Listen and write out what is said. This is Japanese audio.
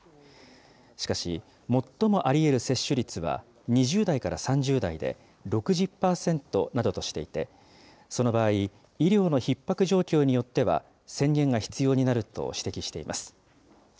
しかし、最もありえる接種率は２０代から３０代で６０％などとしていて、その場合、医療のひっ迫状況によっては、宣言が必要になると指摘しています。